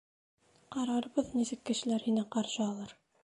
Ҡарарбыҙ, нисек кешеләр һине ҡаршы алыр!